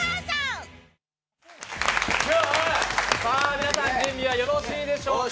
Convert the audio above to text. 皆さん準備はよろしいでしょうか？